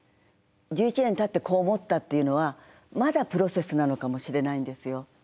１１年たってこう思ったっていうのはまだプロセスなのかもしれないんですよ。